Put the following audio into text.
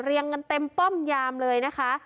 เรียงกันเต็มป้อมยามเลยนะคะ